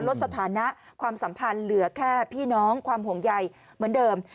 ลดสถานะความสัมพันธ์เหลือแค่พี่น้องความห่วงใยเหมือนเดิม